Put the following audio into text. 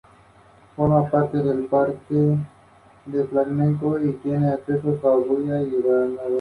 S"exo y justicia social" fue alabado por los críticos en la prensa.